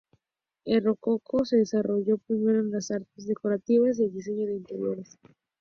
El Rococó se desarrolló primero en las artes decorativas y el diseño de interiores.